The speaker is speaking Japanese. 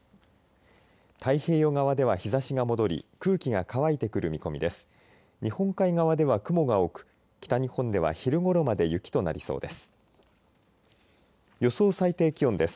太平洋側では日ざしが戻り空気が乾いてくる見込みです。